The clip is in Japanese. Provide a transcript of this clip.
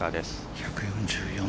１４４。